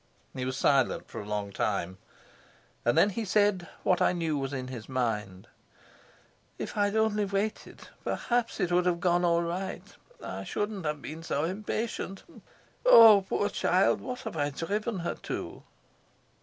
He was silent for a long time, and then he said what I knew was in his mind. "If I'd only waited, perhaps it would have gone all right. I shouldn't have been so impatient. Oh, poor child, what have I driven her to?"